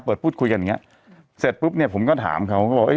พูดคุยกันอย่างเงี้ยเสร็จปุ๊บเนี่ยผมก็ถามเขาก็บอกเอ้